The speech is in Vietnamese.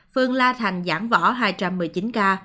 phương la thành giảng võ hai trăm một mươi chín ca